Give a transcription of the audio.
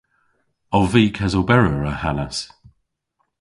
Ov vy kesoberer ahanas?